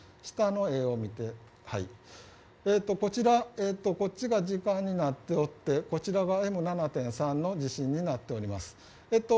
下の絵を見るとこちら、左が時間になっておってこちらがＭ７．３の地震になっております。